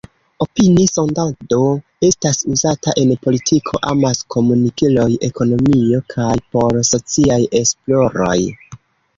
Opini-sondado estas uzata en politiko, amas-komunikiloj, ekonomio kaj por sociaj esploroj.